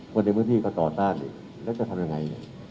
คนในพื้นที่ก็ต่อต้านแล้วจะทำยังไง